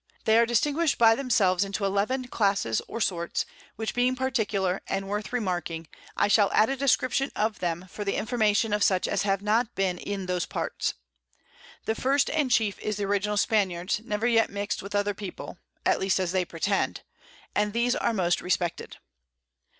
They are distinguish'd by themselves into 11 Classes or Sorts, which being particular, and worth remarking, I shall add a Description of them, for the Information of such as have not been in those Parts. The first and chief is the original Spaniards, never yet mix'd with other People (at least as they pretend) and these are most respected.